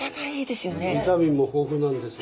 ビタミンも豊富なんですよね